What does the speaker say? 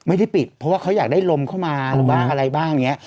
ไม่ได้ปิดเพราะว่าเขาอยากได้ลมเข้ามาบ้างอะไรบ้างอย่างนี้